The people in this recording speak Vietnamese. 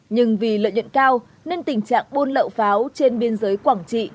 nhưng vì lợi nhuận cao nên tình trạng buôn lậu pháo trên biên giới quảng trị